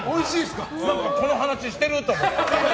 この話、してるって思って。